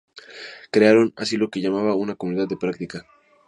Crearon así lo que se llama una comunidad de práctica.